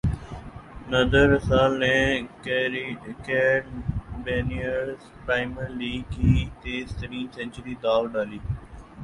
ندرے Russell نے Caribbean Premier league کی تیز ترین سنچری داغ ڈالی